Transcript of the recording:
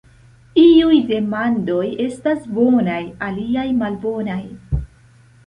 Iuj demonoj estas bonaj, aliaj malbonaj.